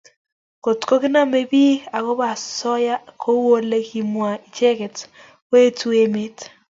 kotko kinamei piik akoba asoya kou ole kimwaa icheket ko etu emet